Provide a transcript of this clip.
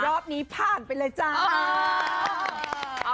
รอบนี้ผ่านไปเลยจ้า